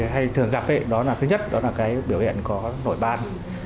hay thường gặp đó là thứ nhất đó là cái biểu hiện có nổi ban